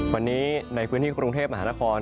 วันนี้ในพื้นที่กรุงเทพมหานคร